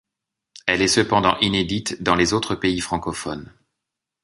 Elle est cependant inédite dans les autres pays francophones.